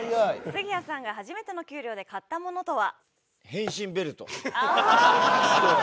杉谷さんが初めての給料で買った物とは？